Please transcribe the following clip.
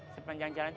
sepanjang jalan itu